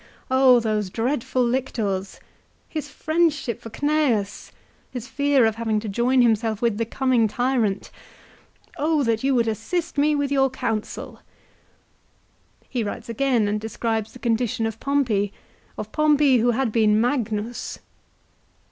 Oh those dreadful lictors ! His friendship for Cnseus ! His fear of having to join himself with the coming tyrant !" Oh ! that you would assist me with your counsel." l He writes again and describes the condition of Pompey, of Pompey who had been Magnus.